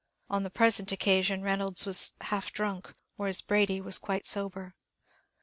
On the present occasion too Reynolds was half drunk, whereas Brady was quite sober.